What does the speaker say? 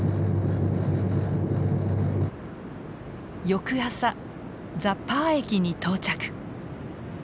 翌朝ザ・パー駅に到着。